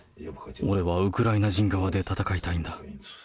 俺はウクライナ人側で戦いたいんだ。